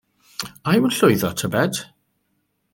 A yw'n llwyddo, tybed?